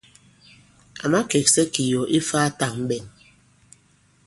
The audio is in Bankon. À makèksɛ kì yɔ̀ ifā tàŋɓɛn.